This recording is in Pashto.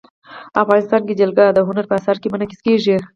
افغانستان کې جلګه د هنر په اثار کې منعکس کېږي.